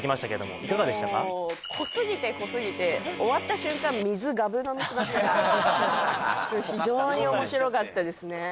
もう濃すぎて濃すぎて終わった瞬間水がぶ飲みしました非常に面白かったですね